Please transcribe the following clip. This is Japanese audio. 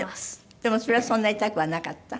でもそれはそんな痛くはなかった？